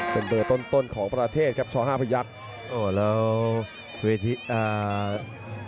เป็นเบลอต้นของประเทศครับเข้าให้ไปยัด